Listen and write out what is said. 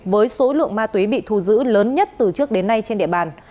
với số lượng ma túy bị thu giữ lớn nhất từ trước đến nay trên địa bàn